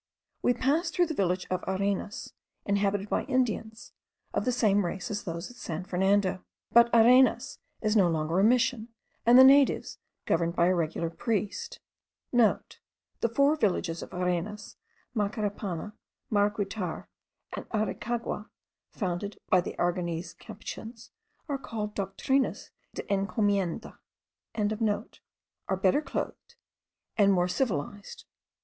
We passed through the village of Arenas, inhabited by Indians, of the same race as those at San Fernando. But Arenas is no longer a mission; and the natives, governed by a regular priest,* (* The four villages of Arenas, Macarapana, Mariguitar, and Aricagua, founded by Aragonese Capuchins, are called Doctrinas de Encomienda.) are better clothed, and more civilized.